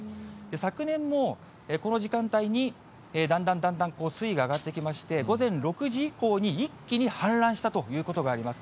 昨年もこの時間帯に、だんだんだんだん水位が上がってきまして、午前６時以降に一気に氾濫したということがあります。